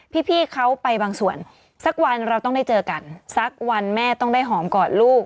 พี่เขาไปบางส่วนสักวันเราต้องได้เจอกันสักวันแม่ต้องได้หอมกอดลูก